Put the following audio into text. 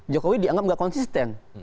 jokowi dianggap nggak konsisten